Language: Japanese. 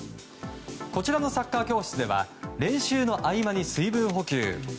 こちらのサッカー教室では練習の合間に水分補給。